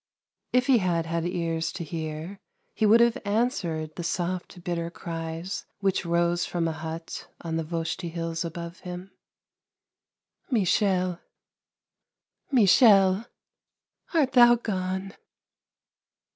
If he had had ears to hear, he would have answered the soft, bitter cries which rose from a hut on the Voshti Hills above him :" Michel, Michel, art thou gone?